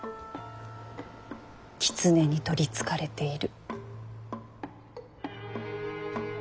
狐に取りつかれている。